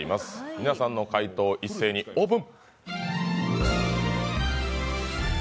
皆さんの解答、一斉にオープン。